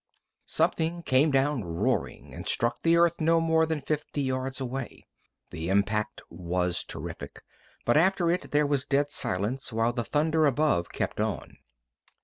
Something came down, roaring, and struck the earth no more than fifty yards away. The impact was terrific, but after it there was dead silence while the thunder above kept on.